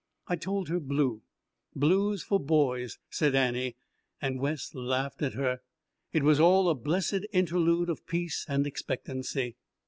"I told her blue blue's for boys," said Annie. And Wes laughed at her. It was all a blessed interlude of peace and expectancy.